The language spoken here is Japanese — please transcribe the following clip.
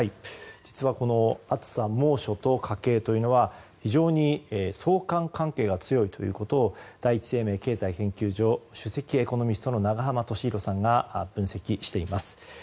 実はこの暑さ猛暑と家計というのは非常に相関関係が強いということを第一生命経済研究所首席エコノミストの永濱利廣さんが分析しています。